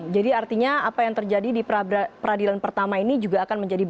jadi artinya apa yang terjadi di pra peradilan pertama ini juga akan menjadikan